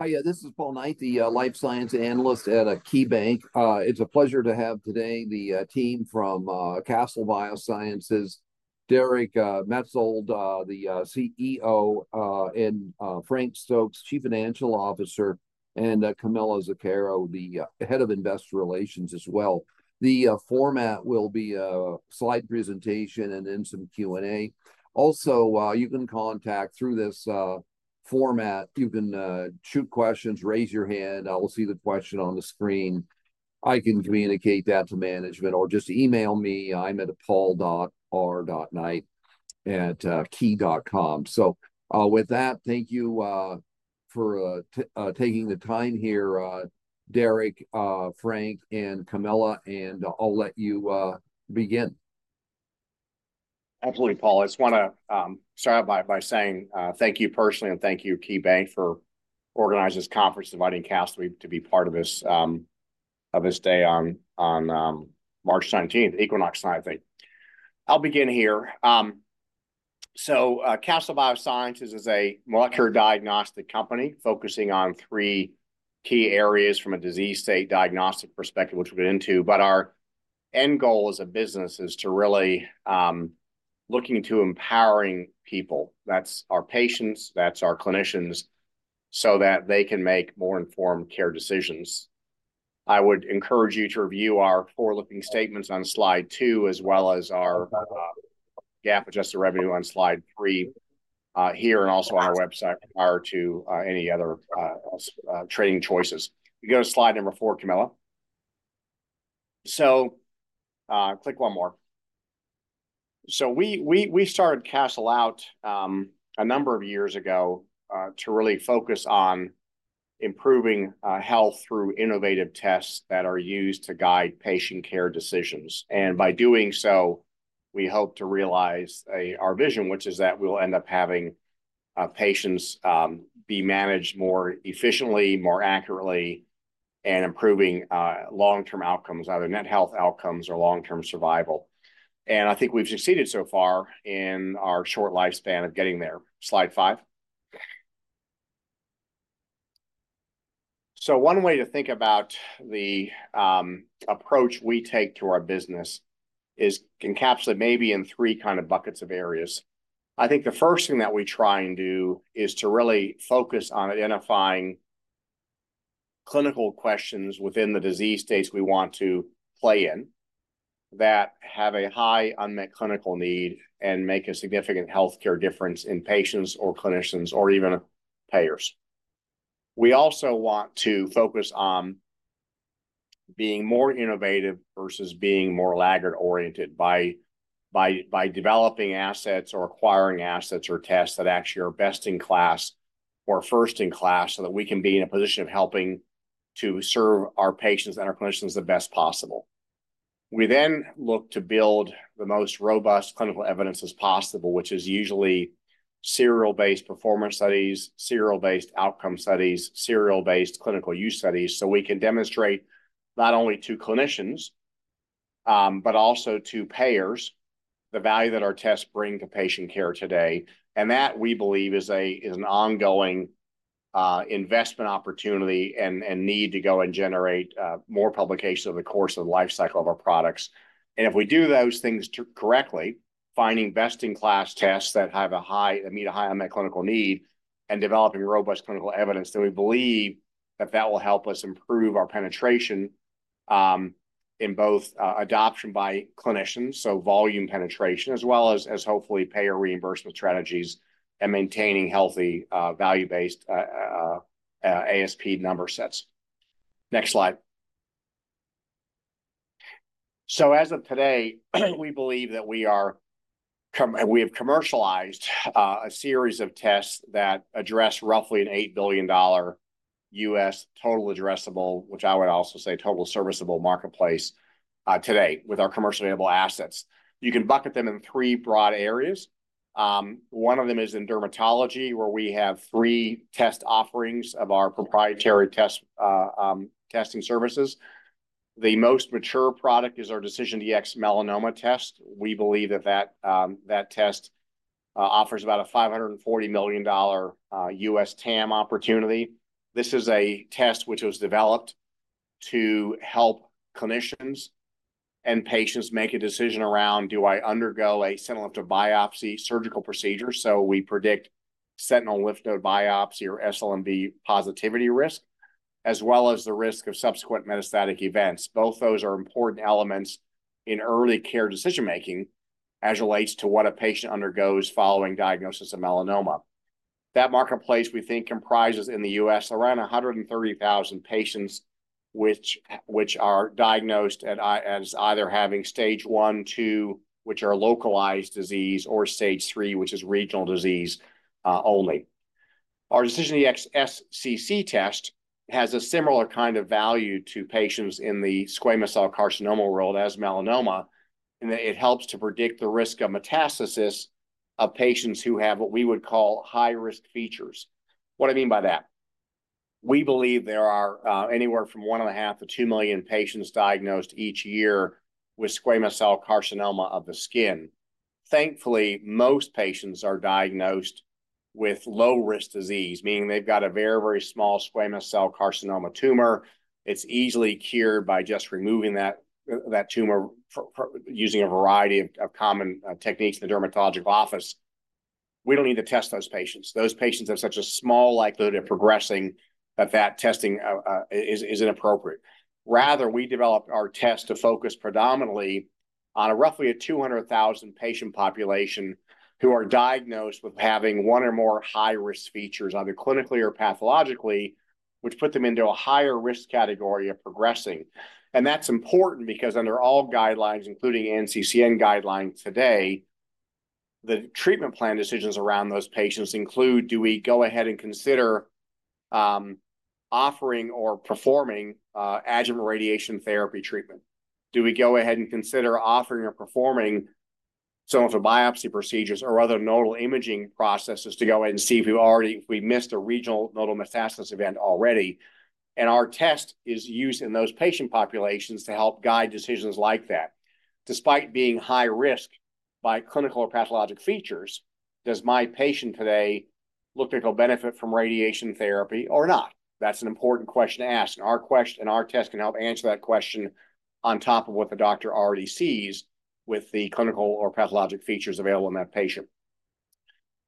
Hi, yeah, this is Paul Knight, the life science analyst at KeyBank. It's a pleasure to have today the team from Castle Biosciences, Derek Maetzold, the CEO, and Frank Stokes, Chief Financial Officer, and Camilla Zuckero, the Head of Investor Relations as well. The format will be a slide presentation and then some Q&A. Also, you can contact through this format. You can shoot questions, raise your hand, I'll see the question on the screen. I can communicate that to management or just email me, I'm at paul.r.knight@key.com. So with that, thank you for taking the time here, Derek, Frank, and Camilla, and I'll let you begin. Absolutely, Paul. I just want to start out by saying thank you personally and thank you, KeyBank, for organizing this conference, inviting Castle to be part of this day on March 19th, equinox night, I think. I'll begin here. So Castle Biosciences is a molecular diagnostic company focusing on three key areas from a disease state diagnostic perspective, which we'll get into, but our end goal as a business is to really look into empowering people. That's our patients, that's our clinicians, so that they can make more informed care decisions. I would encourage you to review our forward-looking statements on slide 2 as well as our GAAP-adjusted revenue on slide 3 here and also on our website prior to any other trading choices. You can go to slide number 4, Camilla. So click one more. We started Castle out a number of years ago to really focus on improving health through innovative tests that are used to guide patient care decisions. By doing so, we hope to realize our vision, which is that we'll end up having patients be managed more efficiently, more accurately, and improving long-term outcomes, either net health outcomes or long-term survival. I think we've succeeded so far in our short lifespan of getting there. Slide 5. One way to think about the approach we take to our business is encapsulated maybe in three kind of buckets of areas. I think the first thing that we try and do is to really focus on identifying clinical questions within the disease states we want to play in that have a high unmet clinical need and make a significant healthcare difference in patients or clinicians or even payers. We also want to focus on being more innovative versus being more laggard-oriented by developing assets or acquiring assets or tests that actually are best in class or first in class so that we can be in a position of helping to serve our patients and our clinicians the best possible. We then look to build the most robust clinical evidence as possible, which is usually serial-based performance studies, serial-based outcome studies, serial-based clinical use studies, so we can demonstrate not only to clinicians but also to payers the value that our tests bring to patient care today. That, we believe, is an ongoing investment opportunity and need to go and generate more publications over the course of the lifecycle of our products. And if we do those things correctly, finding best-in-class tests that meet a high unmet clinical need, and developing robust clinical evidence, then we believe that that will help us improve our penetration in both adoption by clinicians, so volume penetration, as well as hopefully payer reimbursement strategies and maintaining healthy value-based ASP number sets. Next slide. So as of today, we believe that we have commercialized a series of tests that address roughly a $8 billion U.S. total addressable, which I would also say total serviceable marketplace today, with our commercially available assets. You can bucket them in three broad areas. One of them is in dermatology, where we have three test offerings of our proprietary testing services. The most mature product is our DecisionDx-Melanoma test. We believe that that test offers about a $540 million U.S. TAM opportunity. This is a test which was developed to help clinicians and patients make a decision around, "Do I undergo a sentinel lymph node biopsy surgical procedure?" So we predict sentinel lymph node biopsy or SLNB positivity risk, as well as the risk of subsequent metastatic events. Both those are important elements in early care decision-making as relates to what a patient undergoes following diagnosis of melanoma. That marketplace, we think, comprises in the US around 130,000 patients which are diagnosed as either having stage I, II, which are localized disease, or stage III, which is regional disease only. Our DecisionDx-SCC test has a similar kind of value to patients in the squamous cell carcinoma world as melanoma, in that it helps to predict the risk of metastasis of patients who have what we would call high-risk features. What do I mean by that? We believe there are anywhere from 1.5-2 million patients diagnosed each year with squamous cell carcinoma of the skin. Thankfully, most patients are diagnosed with low-risk disease, meaning they've got a very, very small squamous cell carcinoma tumor. It's easily cured by just removing that tumor using a variety of common techniques in the dermatologic office. We don't need to test those patients. Those patients have such a small likelihood of progressing that that testing is inappropriate. Rather, we developed our test to focus predominantly on roughly a 200,000 patient population who are diagnosed with having one or more high-risk features, either clinically or pathologically, which put them into a higher risk category of progressing. And that's important because under all guidelines, including NCCN guidelines today, the treatment plan decisions around those patients include, "Do we go ahead and consider offering or performing adjuvant radiation therapy treatment? Do we go ahead and consider offering or performing sentinel node biopsy procedures or other nodal imaging processes to go ahead and see if we missed a regional nodal metastasis event already?" And our test is used in those patient populations to help guide decisions like that. Despite being high-risk by clinical or pathologic features, does my patient today look like they'll benefit from radiation therapy or not? That's an important question to ask. And our test can help answer that question on top of what the doctor already sees with the clinical or pathologic features available in that patient.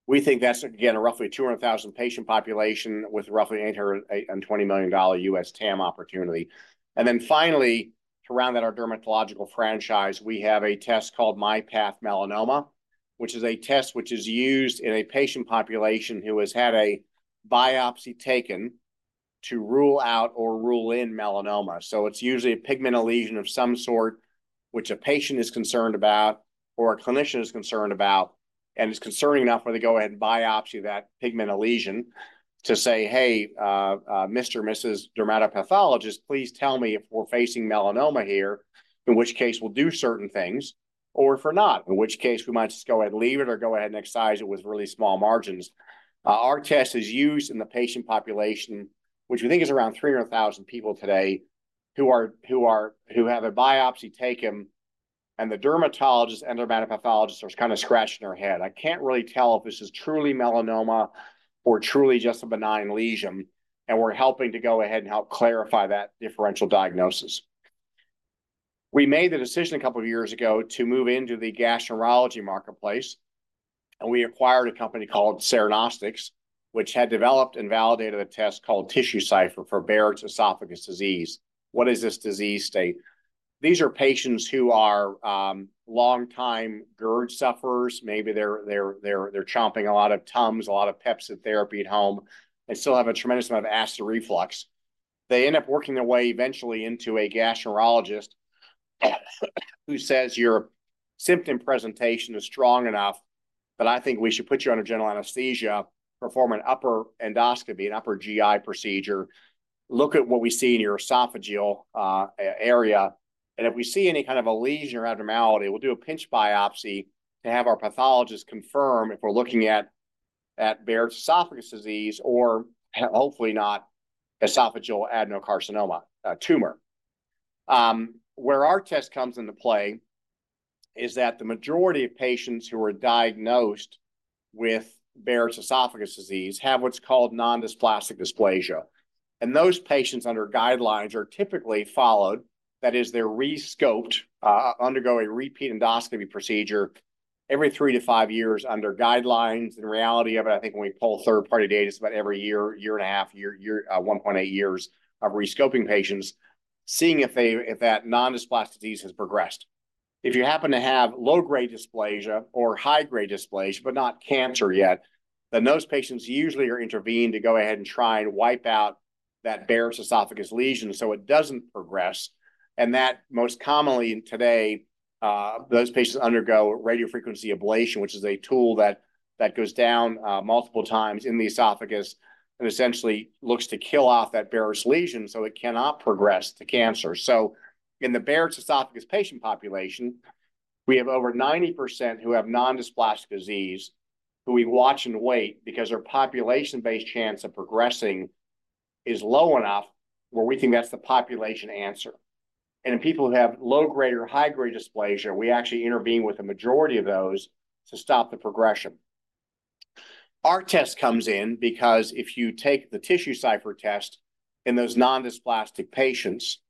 We think that's, again, a roughly 200,000 patient population with roughly an $820 million U.S. TAM opportunity. And then finally, to round out our dermatological franchise, we have a test called MyPath Melanoma, which is a test which is used in a patient population who has had a biopsy taken to rule out or rule in melanoma. So it's usually a pigmented lesion of some sort which a patient is concerned about or a clinician is concerned about and is concerned enough where they go ahead and biopsy that pigmented lesion to say, "Hey, Mr. or Mrs. Dermatopathologist, please tell me if we're facing melanoma here, in which case we'll do certain things, or if we're not, in which case we might just go ahead and leave it or go ahead and excise it with really small margins." Our test is used in the patient population, which we think is around 300,000 people today, who have a biopsy taken, and the dermatologist and dermatopathologist are kind of scratching their head. I can't really tell if this is truly melanoma or truly just a benign lesion. We're helping to go ahead and help clarify that differential diagnosis. We made the decision a couple of years ago to move into the gastroenterology marketplace, and we acquired a company called Cernostics, which had developed and validated a test called TissueCypher for Barrett's esophagus disease. What is this disease state? These are patients who are long-time GERD sufferers. Maybe they're chomping a lot of Tums, a lot of Pepcid therapy at home, and still have a tremendous amount of acid reflux. They end up working their way eventually into a gastroenterologist who says, "Your symptom presentation is strong enough that I think we should put you under general anesthesia, perform an upper endoscopy, an upper GI procedure, look at what we see in your esophageal area, and if we see any kind of a lesion or abnormality, we'll do a pinch biopsy to have our pathologist confirm if we're looking at Barrett's esophagus or hopefully not esophageal adenocarcinoma tumor." Where our test comes into play is that the majority of patients who are diagnosed with Barrett's esophagus have what's called nondysplastic dysplasia. And those patients, under guidelines, are typically followed. That is, they're rescoped, undergo a repeat endoscopy procedure every three to five years under guidelines. The reality of it, I think, when we pull third-party data, it's about every year, 1.5 years, 1.8 years of rescoping patients, seeing if that nondysplastic disease has progressed. If you happen to have low-grade dysplasia or high-grade dysplasia but not cancer yet, then those patients usually are intervened to go ahead and try and wipe out that Barrett's esophagus lesion so it doesn't progress. And most commonly today, those patients undergo radiofrequency ablation, which is a tool that goes down multiple times in the esophagus and essentially looks to kill off that Barrett's lesion so it cannot progress to cancer. So in the Barrett's esophagus patient population, we have over 90% who have nondysplastic disease who we watch and wait because their population-based chance of progressing is low enough where we think that's the population answer. In people who have low-grade or high-grade dysplasia, we actually intervene with the majority of those to stop the progression. Our test comes in because if you take the TissueCypher test in those nondysplastic patients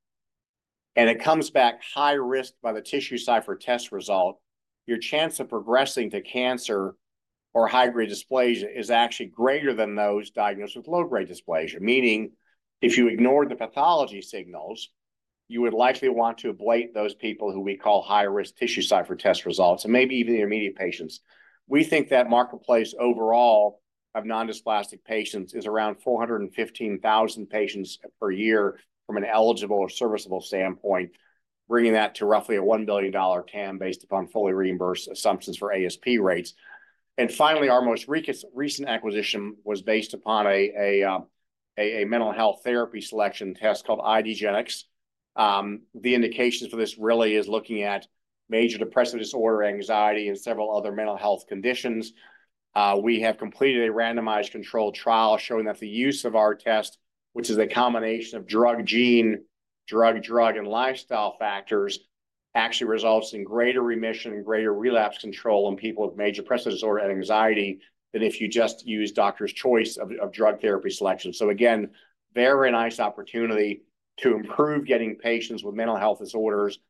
and it comes back high-risk by the TissueCypher test result, your chance of progressing to cancer or high-grade dysplasia is actually greater than those diagnosed with low-grade dysplasia. Meaning, if you ignore the pathology signals, you would likely want to ablate those people who we call high-risk TissueCypher test results, and maybe even the immediate patients. We think that marketplace overall of nondysplastic patients is around 415,000 patients per year from an eligible or serviceable standpoint, bringing that to roughly a $1 billion TAM based upon fully reimbursed assumptions for ASP rates. And finally, our most recent acquisition was based upon a mental health therapy selection test called IDgenetix. The indications for this really are looking at major depressive disorder, anxiety, and several other mental health conditions. We have completed a randomized controlled trial showing that the use of our test, which is a combination of drug gene, drug, drug, and lifestyle factors, actually results in greater remission and greater relapse control in people with major depressive disorder and anxiety than if you just use Doctor's Choice of drug therapy selection. So again, very nice opportunity to improve getting patients with mental health disorders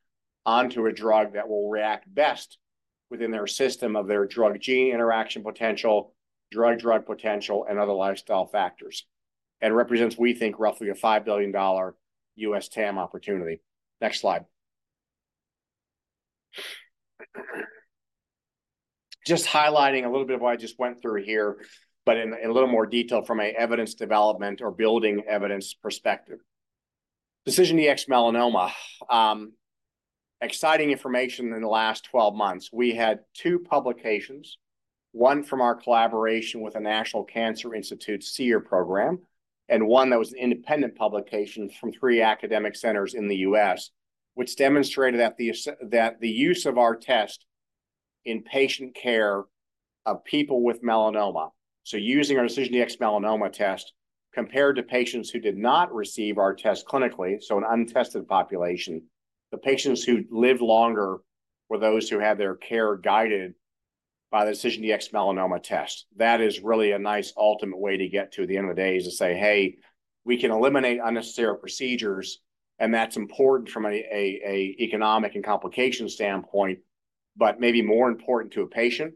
onto a drug that will react best within their system of their drug gene interaction potential, drug-drug potential, and other lifestyle factors. And represents, we think, roughly a $5 billion US TAM opportunity. Next slide. Just highlighting a little bit of what I just went through here, but in a little more detail from an evidence development or building evidence perspective. DecisionDx-Melanoma, exciting information in the last 12 months. We had two publications, one from our collaboration with the National Cancer Institute SEER program and one that was an independent publication from three academic centers in the U.S., which demonstrated that the use of our test in patient care of people with melanoma, so using our DecisionDx-Melanoma test compared to patients who did not receive our test clinically, so an untested population, the patients who lived longer were those who had their care guided by the DecisionDx-Melanoma test. That is really a nice ultimate way to get to the end of the day is to say, "Hey, we can eliminate unnecessary procedures, and that's important from an economic and complication standpoint, but maybe more important to a patient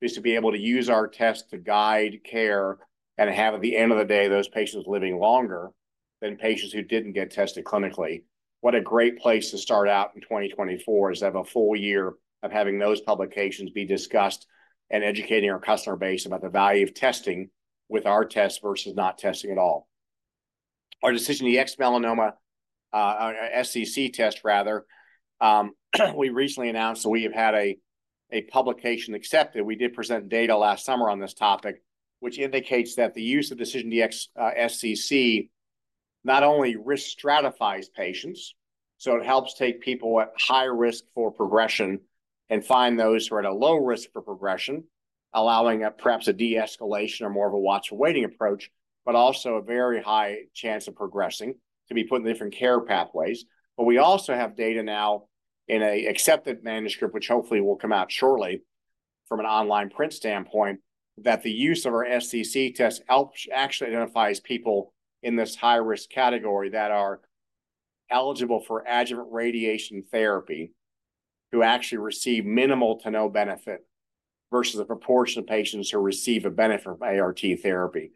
is to be able to use our test to guide care and have, at the end of the day, those patients living longer than patients who didn't get tested clinically." What a great place to start out in 2024 is to have a full year of having those publications be discussed and educating our customer base about the value of testing with our test versus not testing at all. Our DecisionDx-Melanoma SCC test, rather, we recently announced that we have had a publication accepted. We did present data last summer on this topic, which indicates that the use of DecisionDx-SCC not only risk stratifies patients, so it helps take people at high risk for progression and find those who are at a low risk for progression, allowing perhaps a de-escalation or more of a watch-and-waiting approach, but also a very high chance of progressing to be put in different care pathways. But we also have data now in an accepted manuscript, which hopefully will come out shortly from an online print standpoint, that the use of our SCC test actually identifies people in this high-risk category that are eligible for adjuvant radiation therapy who actually receive minimal to no benefit versus a proportion of patients who receive a benefit from ART therapy.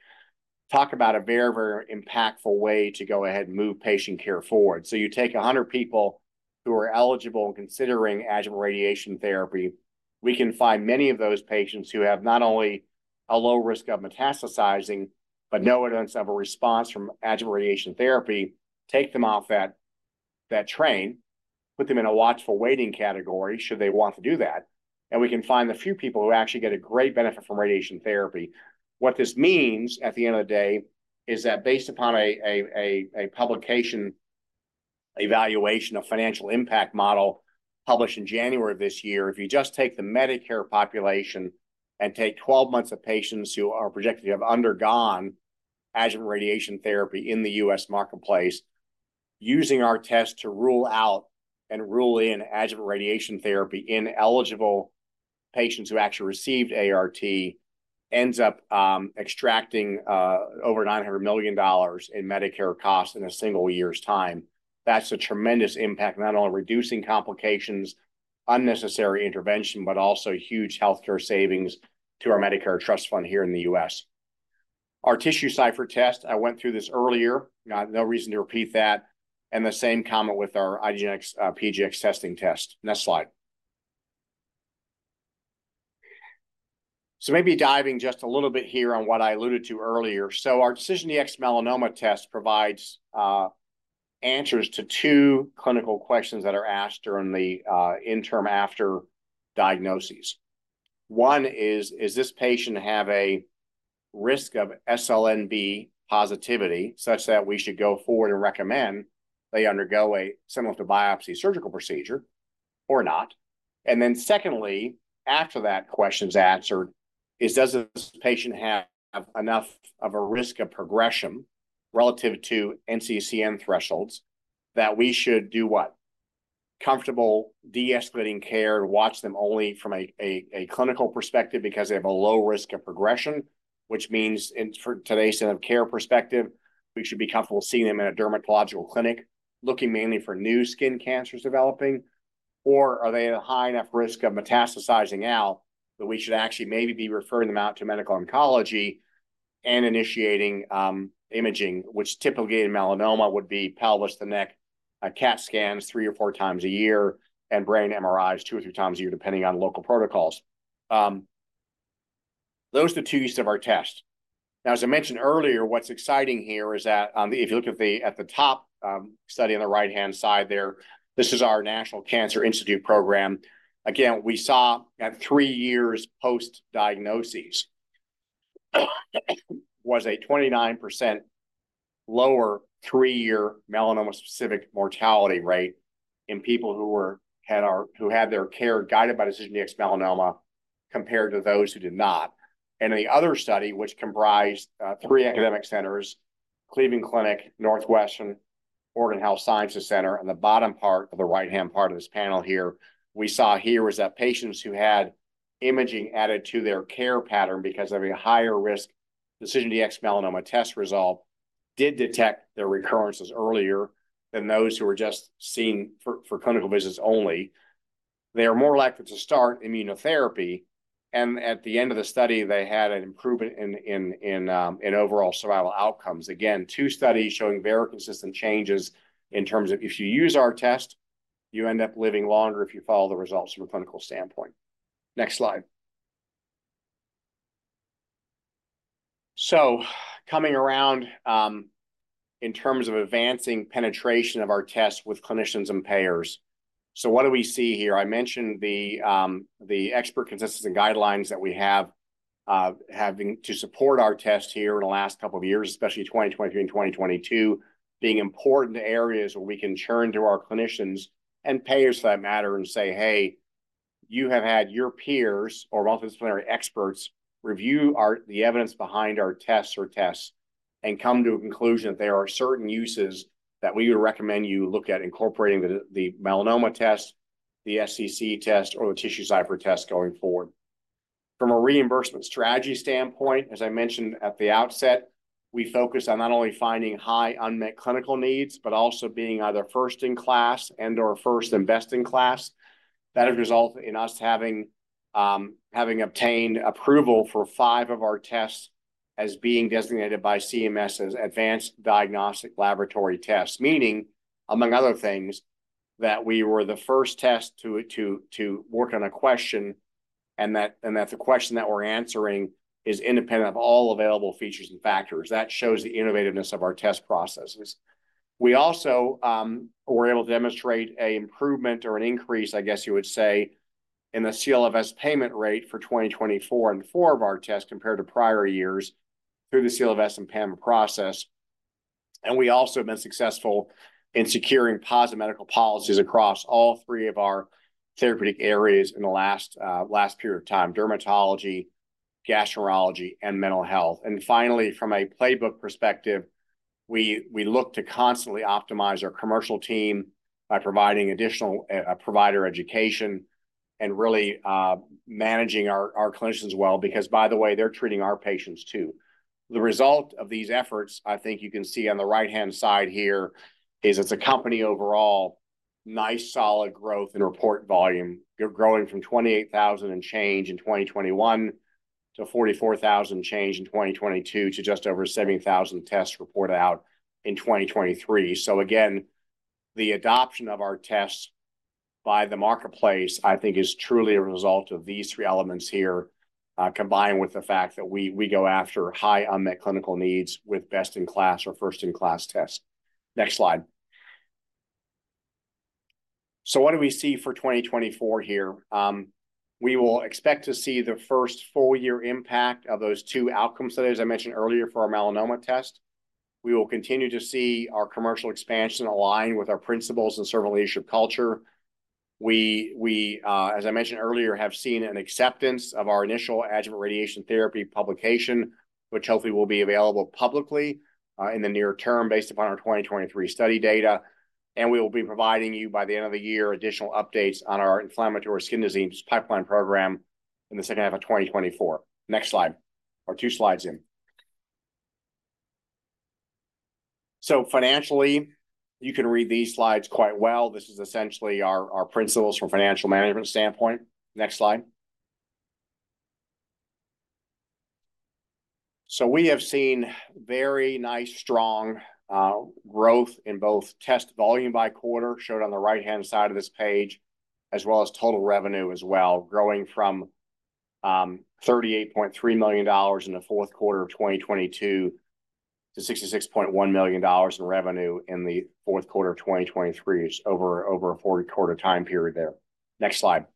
Talk about a very, very impactful way to go ahead and move patient care forward. So you take 100 people who are eligible and considering adjuvant radiation therapy. We can find many of those patients who have not only a low risk of metastasizing but no evidence of a response from adjuvant radiation therapy, take them off that train, put them in a watchful waiting category should they want to do that. And we can find the few people who actually get a great benefit from radiation therapy. What this means at the end of the day is that based upon a publication evaluation, a financial impact model published in January of this year, if you just take the Medicare population and take 12 months of patients who are projected to have undergone adjuvant radiation therapy in the U.S. marketplace, using our test to rule out and rule in adjuvant radiation therapy in eligible patients who actually received ART ends up extracting over $900 million in Medicare costs in a single year's time. That's a tremendous impact, not only reducing complications, unnecessary intervention, but also huge healthcare savings to our Medicare Trust Fund here in the U.S. Our TissueCypher test, I went through this earlier. No reason to repeat that. The same comment with our IDgenetix PGX testing test. Next slide. So maybe diving just a little bit here on what I alluded to earlier. So our DecisionDx-Melanoma test provides answers to two clinical questions that are asked during the interim after diagnoses. One is, does this patient have a risk of SLNB positivity such that we should go forward and recommend they undergo a sentinel node biopsy surgical procedure or not? And then secondly, after that question's answered, does this patient have enough of a risk of progression relative to NCCN thresholds that we should do what? Comfortable de-escalating care to watch them only from a clinical perspective because they have a low risk of progression, which means from today's standpoint of care perspective, we should be comfortable seeing them in a dermatological clinic looking mainly for new skin cancers developing? Or are they at a high enough risk of metastasizing out that we should actually maybe be referring them out to medical oncology and initiating imaging, which typically in melanoma would be pelvis, the neck, CAT scans 3 or 4 times a year, and brain MRIs 2 or 3 times a year depending on local protocols. Those are the two uses of our test. Now, as I mentioned earlier, what's exciting here is that if you look at the top study on the right-hand side there, this is our National Cancer Institute program. Again, we saw at 3 years post-diagnosis was a 29% lower 3-year melanoma-specific mortality rate in people who had their care guided by DecisionDx-Melanoma compared to those who did not. In the other study, which comprised three academic centers, Cleveland Clinic, Northwestern Medicine, Oregon Health & Science University, in the bottom part of the right-hand part of this panel here, we saw here was that patients who had imaging added to their care pattern because of a higher risk DecisionDx-Melanoma test result did detect their recurrences earlier than those who were just seen for clinical visits only. They are more likely to start immunotherapy. And at the end of the study, they had an improvement in overall survival outcomes. Again, two studies showing very consistent changes in terms of if you use our test, you end up living longer if you follow the results from a clinical standpoint. Next slide. Coming around in terms of advancing penetration of our test with clinicians and payers. What do we see here? I mentioned the expert consensus and guidelines that we have to support our test here in the last couple of years, especially 2023 and 2022, being important areas where we can churn to our clinicians and payers for that matter and say, "Hey, you have had your peers or multidisciplinary experts review the evidence behind our tests or tests and come to a conclusion that there are certain uses that we would recommend you look at incorporating the melanoma test, the SCC test, or the TissueCypher test going forward." From a reimbursement strategy standpoint, as I mentioned at the outset, we focus on not only finding high unmet clinical needs but also being either first in class and/or first and best in class. That has resulted in us having obtained approval for five of our tests as being designated by CMS as advanced diagnostic laboratory tests, meaning, among other things, that we were the first test to work on a question and that the question that we're answering is independent of all available features and factors. That shows the innovativeness of our test processes. We also were able to demonstrate an improvement or an increase, I guess you would say, in the CLFS payment rate for 2024 and four of our tests compared to prior years through the CLFS and PAMA process. We also have been successful in securing positive medical policies across all three of our therapeutic areas in the last period of time: dermatology, gastroenterology, and mental health. And finally, from a playbook perspective, we look to constantly optimize our commercial team by providing additional provider education and really managing our clinicians well because, by the way, they're treating our patients too. The result of these efforts, I think you can see on the right-hand side here, is it's accompanied overall nice, solid growth in report volume, growing from 28,000 and change in 2021 to 44,000 and change in 2022 to just over 70,000 tests reported out in 2023. So again, the adoption of our tests by the marketplace, I think, is truly a result of these three elements here combined with the fact that we go after high unmet clinical needs with best-in-class or first-in-class tests. Next slide. So what do we see for 2024 here? We will expect to see the first full-year impact of those two outcomes today, as I mentioned earlier, for our melanoma test. We will continue to see our commercial expansion align with our principles and servant leadership culture. We, as I mentioned earlier, have seen an acceptance of our initial adjuvant radiation therapy publication, which hopefully will be available publicly in the near term based upon our 2023 study data. We will be providing you, by the end of the year, additional updates on our inflammatory skin disease pipeline program in the second half of 2024. Next slide. Or two slides in. So financially, you can read these slides quite well. This is essentially our principles from a financial management standpoint. Next slide. So we have seen very nice, strong growth in both test volume by quarter shown on the right-hand side of this page as well as total revenue as well, growing from $38.3 million in the fourth quarter of 2022 to $66.1 million in revenue in the fourth quarter of 2023, over a four-quarter time period there. Next slide.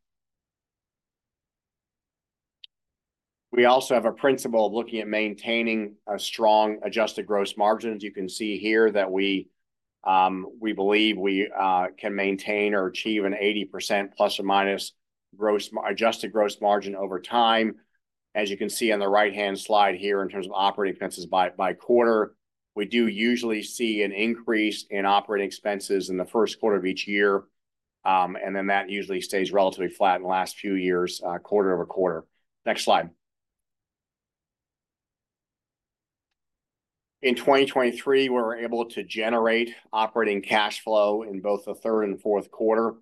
We also have a principle of looking at maintaining strong adjusted gross margins. You can see here that we believe we can maintain or achieve an 80% ± adjusted gross margin over time. As you can see on the right-hand slide here in terms of operating expenses by quarter, we do usually see an increase in operating expenses in the first quarter of each year. And then that usually stays relatively flat in the last few years, quarter-over-quarter. Next slide. In 2023, we were able to generate operating cash flow in both the third and fourth quarter.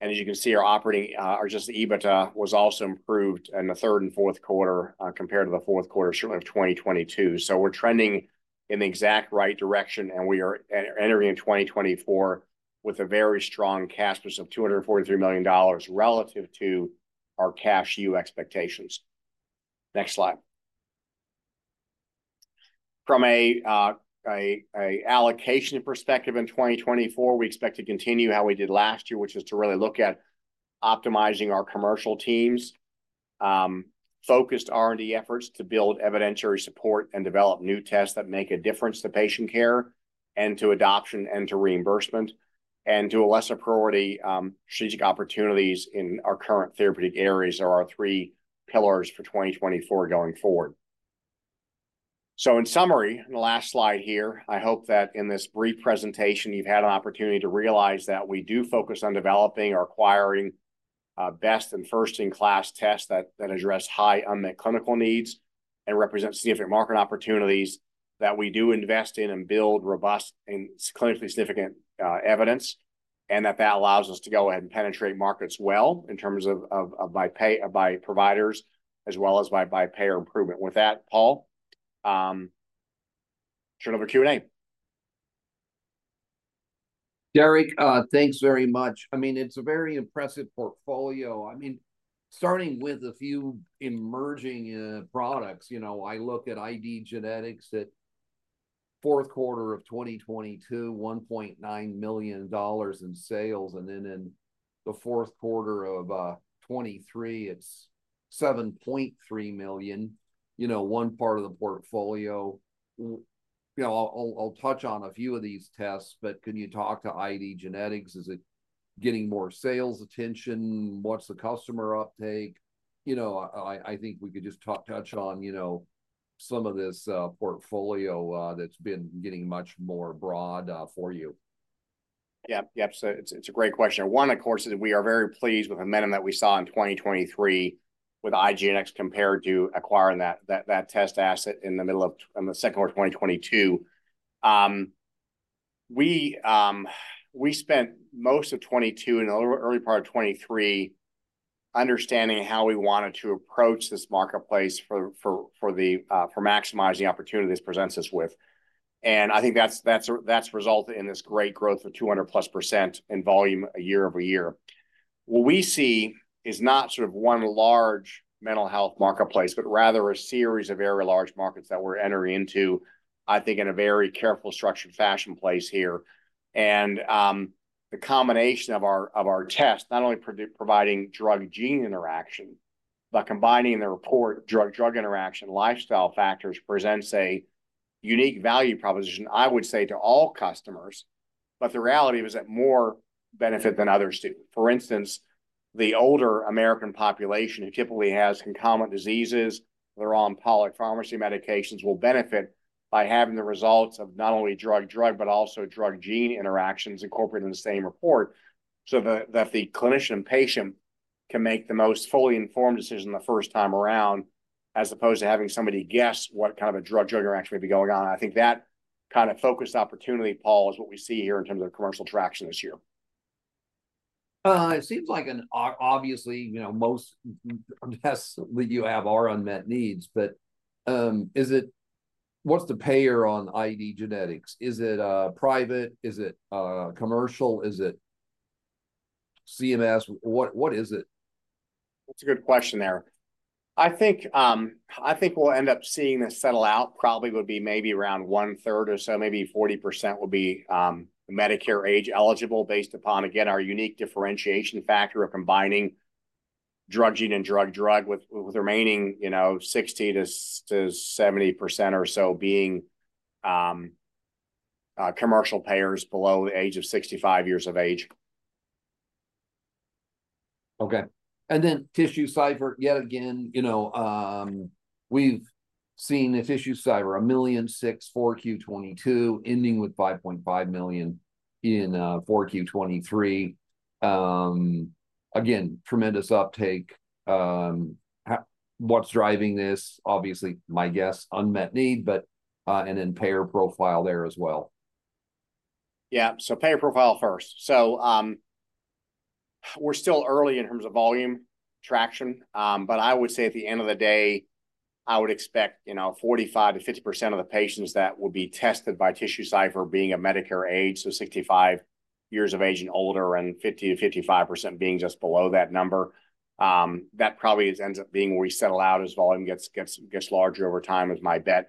And as you can see, our EBITDA was also improved in the third and fourth quarter compared to the fourth quarter, certainly of 2022. So we're trending in the exact right direction, and we are entering in 2024 with a very strong cash flow of $243 million relative to our cash-year expectations. Next slide. From an allocation perspective in 2024, we expect to continue how we did last year, which is to really look at optimizing our commercial teams, focused R&D efforts to build evidentiary support and develop new tests that make a difference to patient care, and to adoption and to reimbursement, and to lesser priority strategic opportunities in our current therapeutic areas are our three pillars for 2024 going forward. In summary, in the last slide here, I hope that in this brief presentation, you've had an opportunity to realize that we do focus on developing or acquiring best and first-in-class tests that address high unmet clinical needs and represent significant market opportunities that we do invest in and build robust and clinically significant evidence, and that that allows us to go ahead and penetrate markets well in terms of by providers as well as by payer improvement. With that, Paul, turn over to Q&A. Derek, thanks very much. I mean, it's a very impressive portfolio. I mean, starting with a few emerging products, I look at IDgenetix in the fourth quarter of 2022, $1.9 million in sales, and then in the fourth quarter of 2023, it's $7.3 million, one part of the portfolio. I'll touch on a few of these tests, but can you talk to IDgenetix? Is it getting more sales attention? What's the customer uptake? I think we could just touch on some of this portfolio that's been getting much more broad for you. Yep. Yep. So it's a great question. One, of course, is we are very pleased with the momentum that we saw in 2023 with IDgenetix compared to acquiring that test asset in the middle of the second quarter of 2022. We spent most of 2022 and the early part of 2023 understanding how we wanted to approach this marketplace for maximizing the opportunity this presents us with. And I think that's resulted in this great growth of 200+% in volume year-over-year. What we see is not sort of one large mental health marketplace, but rather a series of very large markets that we're entering into, I think, in a very carefully structured fashion place here. And the combination of our tests, not only providing drug-gene interaction, but combining the report drug-drug interaction lifestyle factors, presents a unique value proposition, I would say, to all customers. The reality was that more benefit than others do. For instance, the older American population who typically has concomitant diseases, they're on polypharmacy medications, will benefit by having the results of not only drug-drug but also drug-gene interactions incorporated in the same report so that the clinician and patient can make the most fully informed decision the first time around as opposed to having somebody guess what kind of a drug-drug interaction may be going on. I think that kind of focused opportunity, Paul, is what we see here in terms of commercial traction this year. It seems like obviously, most tests that you have are unmet needs. But what's the payer on IDgenetix? Is it private? Is it commercial? Is it CMS? What is it? That's a good question there. I think we'll end up seeing this settle out probably would be maybe around one-third or so, maybe 40% would be Medicare age eligible based upon, again, our unique differentiation factor of combining drug-gene and drug-drug with remaining 60%-70% or so being commercial payers below the age of 65 years of age. Okay. And then TissueCypher, yet again, we've seen a TissueCypher, $1.6 million Q2 2022 ending with $5.5 million in Q2 2023. Again, tremendous uptake. What's driving this? Obviously, my guess, unmet need and then payer profile there as well. Yeah. So payer profile first. So we're still early in terms of volume traction. But I would say at the end of the day, I would expect 45%-50% of the patients that would be tested by TissueCypher being a Medicare age, so 65 years of age and older, and 50%-55% being just below that number. That probably ends up being where we settle out as volume gets larger over time is my bet.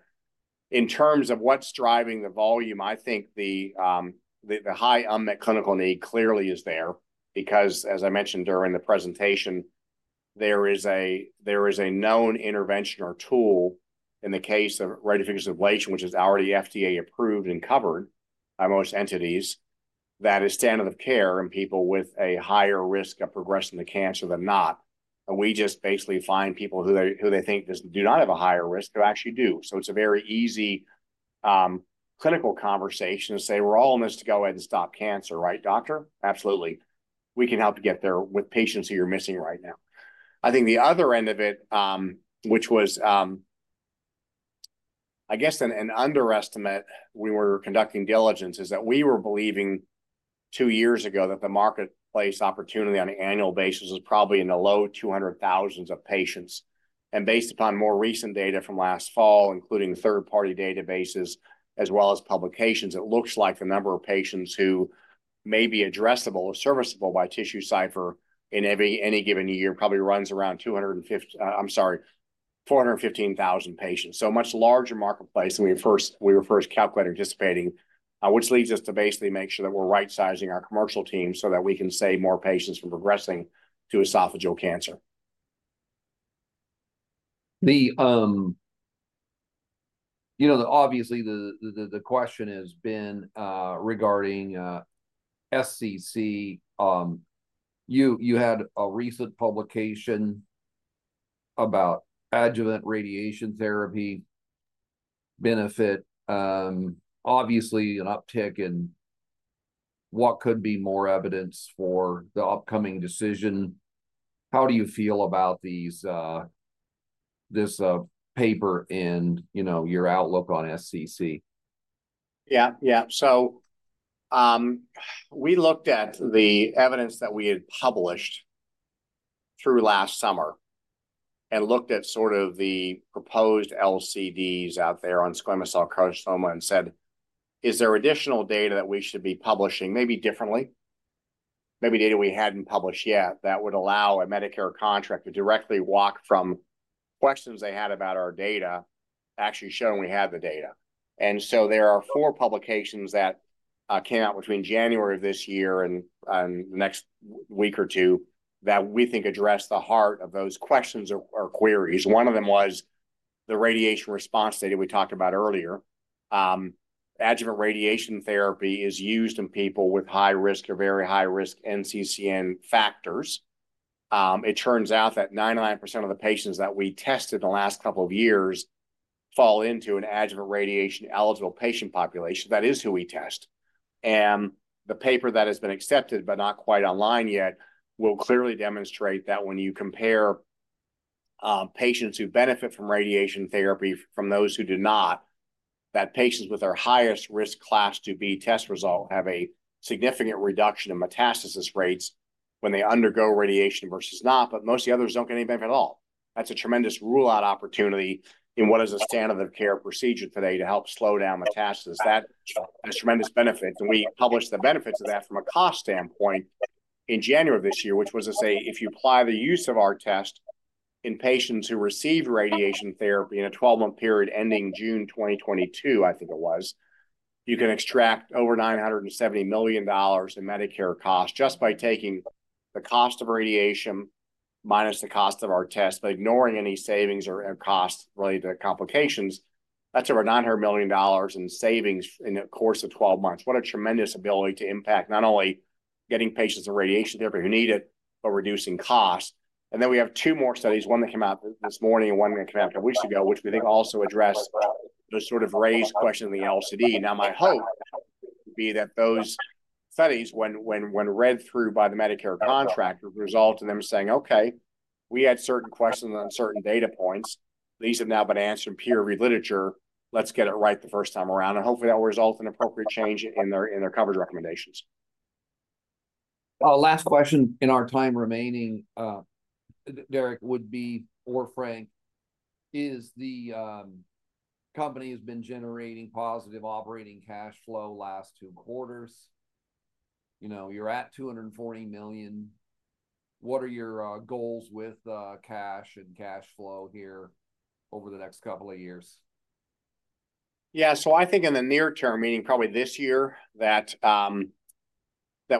In terms of what's driving the volume, I think the high unmet clinical need clearly is there because, as I mentioned during the presentation, there is a known intervention or tool in the case of radiofrequency ablation, which is already FDA-approved and covered by most entities, that is standard of care in people with a higher risk of progressing to cancer than not. And we just basically find people who they think do not have a higher risk who actually do. So it's a very easy clinical conversation to say, "We're all in this to go ahead and stop cancer, right, doctor?" Absolutely. We can help you get there with patients who you're missing right now. I think the other end of it, which was, I guess, an underestimate when we were conducting diligence, is that we were believing two years ago that the marketplace opportunity on an annual basis was probably in the low 200,000s of patients. And based upon more recent data from last fall, including third-party databases as well as publications, it looks like the number of patients who may be addressable or serviceable by TissueCypher in any given year probably runs around 250, I'm sorry, 415,000 patients. A much larger marketplace than we were first calculating and anticipating, which leads us to basically make sure that we're right-sizing our commercial team so that we can save more patients from progressing to esophageal cancer. Obviously, the question has been regarding SCC. You had a recent publication about adjuvant radiation therapy benefit, obviously, an uptick in what could be more evidence for the upcoming decision. How do you feel about this paper and your outlook on SCC? Yeah. Yeah. So we looked at the evidence that we had published through last summer and looked at sort of the proposed LCDs out there on squamous cell carcinoma and said, "Is there additional data that we should be publishing maybe differently, maybe data we hadn't published yet that would allow a Medicare contract to directly walk from questions they had about our data actually showing we had the data?" And so there are four publications that came out between January of this year and the next week or two that we think address the heart of those questions or queries. One of them was the radiation response data we talked about earlier. Adjuvant radiation therapy is used in people with high risk or very high-risk NCCN factors. It turns out that 99% of the patients that we tested in the last couple of years fall into an adjuvant radiation-eligible patient population. That is who we test. The paper that has been accepted but not quite online yet will clearly demonstrate that when you compare patients who benefit from radiation therapy from those who do not, that patients with their highest risk class 2B test result have a significant reduction in metastasis rates when they undergo radiation versus not, but most of the others don't get any benefit at all. That's a tremendous rule-out opportunity in what is a standard of care procedure today to help slow down metastasis. That has tremendous benefits. We published the benefits of that from a cost standpoint in January of this year, which was to say, if you apply the use of our test in patients who received radiation therapy in a 12-month period ending June 2022, I think it was, you can extract over $970 million in Medicare costs just by taking the cost of radiation minus the cost of our test but ignoring any savings or costs related to complications. That's over $900 million in savings in the course of 12 months. What a tremendous ability to impact not only getting patients in radiation therapy who need it but reducing costs. And then we have two more studies, one that came out this morning and one that came out a couple of weeks ago, which we think also address those sort of raised questions in the LCD. Now, my hope would be that those studies, when read through by the Medicare contractor, result in them saying, "Okay, we had certain questions on certain data points. These have now been answered in peer-reviewed literature. Let's get it right the first time around." Hopefully, that will result in appropriate change in their coverage recommendations. Last question in our time remaining, Derek, would be for Frank: is the company has been generating positive operating cash flow last two quarters. You're at $240 million. What are your goals with cash and cash flow here over the next couple of years? Yeah. So I think in the near term, meaning probably this year, that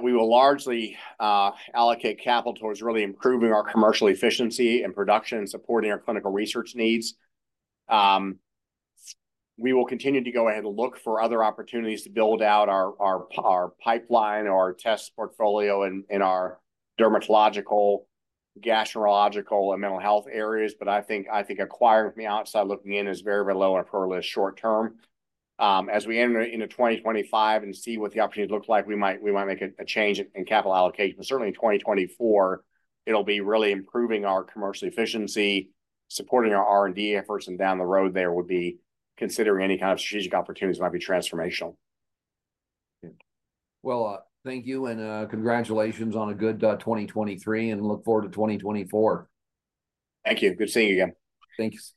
we will largely allocate capital towards really improving our commercial efficiency and production and supporting our clinical research needs. We will continue to go ahead and look for other opportunities to build out our pipeline or our test portfolio in our dermatological, gastroenterological, and mental health areas. But I think acquiring from the outside looking in is very, very low on the priority short term. As we enter into 2025 and see what the opportunities look like, we might make a change in capital allocation. But certainly in 2024, it'll be really improving our commercial efficiency, supporting our R&D efforts, and down the road there would be considering any kind of strategic opportunities that might be transformational. Well, thank you and congratulations on a good 2023, and look forward to 2024. Thank you. Good seeing you again. Thanks. Bye-bye.